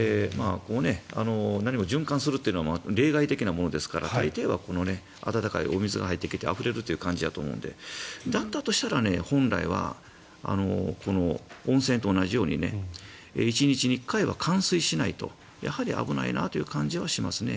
何も循環するというのは例外的なものですから暖かいお水が入ってきてあふれるという感じだと思うのでだったとすれば本来は温泉と同じように１日１回は換水しないとやはり危ないなという感じはしますね。